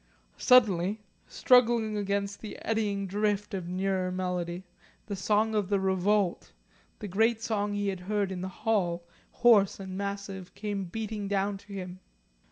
Suddenly, struggling against the eddying drift of nearer melody, the song of the Revolt, the great song he had heard in the Hall, hoarse and massive, came beating down to him.